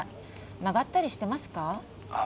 曲がったりしてますか？